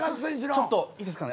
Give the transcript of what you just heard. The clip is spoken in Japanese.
ちょっといいですかね？